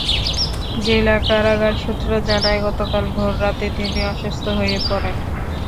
জেলা কারাগার সূত্র জানায়, গতকাল ভোর রাতে তিনি অসুস্থ হয়ে পড়েন।